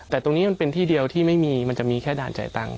แต่ตรงนี้มันเป็นที่เดียวที่ไม่มีมันจะมีแค่ด่านจ่ายตังค์